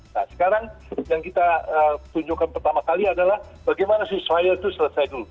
nah sekarang yang kita tunjukkan pertama kali adalah bagaimana si file itu selesai dulu